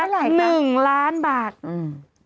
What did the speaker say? เป็นไหนคะ๑ล้านบาทอืม